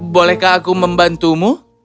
bolehkah aku membantumu